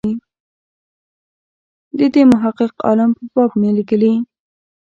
د دې محقق عالم په باب مې لیکلي.